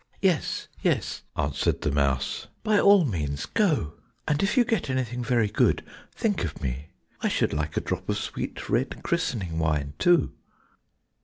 "Yes, yes," answered the mouse, "by all means go, and if you get anything very good, think of me, I should like a drop of sweet red christening wine too."